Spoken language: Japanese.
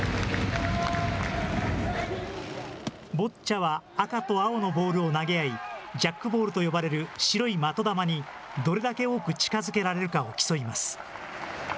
ボッチャは、赤と青のボールを投げ合い、ジャックボールと呼ばれる白い的球に、どれだけ多く近づけられるかを競います。